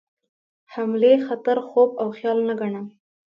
حملې خطر خوب او خیال نه ګڼم.